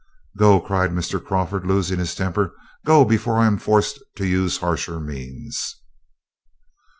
"Go," cried Mr. Crawford, losing his temper, "go before I am forced to use harsher means."